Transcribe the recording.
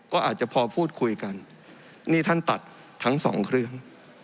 ก็อาจจะพอพูดคุยกันนี่ท่านตัดทั้งสองเครื่อง